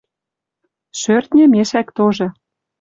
Шӧртньӹ мешӓк тоже